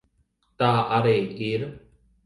Tā arī ir.